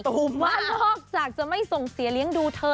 เผาเมลอกจะจึงไม่ส่งเสียเลี้ยงดูเธอ